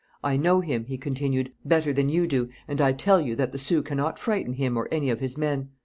'I know him,' he continued, 'better than you do, and I tell you that the Sioux cannot frighten him or any of his men.